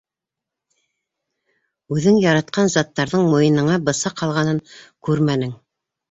Үҙең яратҡан заттарҙың муйыныңа бысаҡ һалғанын күрмәнең.